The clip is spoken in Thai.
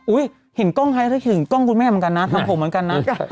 เห็นกล้องไฮทักถึงกล้องคุณแม่เหมือนกันนะทำผมเหมือนกันนะ